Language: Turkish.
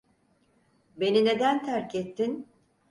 Beni neden terk ettin?